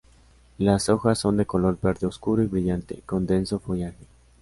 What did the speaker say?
Las hojas son de color verde oscuro y brillante, con denso follaje.